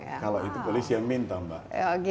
kalau itu polisi yang minta mbak